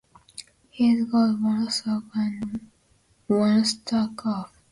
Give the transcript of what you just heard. He's got one sock on and one sock off.